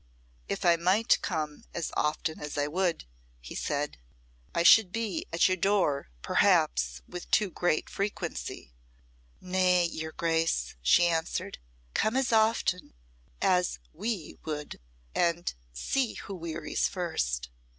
"If I might come as often as I would," he said, "I should be at your door, perhaps, with too great frequency." "Nay, your Grace," she answered. "Come as often as we would and see who wearies first.